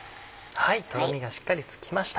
とろみがしっかりつきました。